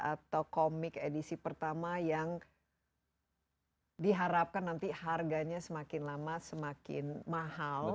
atau komik edisi pertama yang diharapkan nanti harganya semakin lama semakin mahal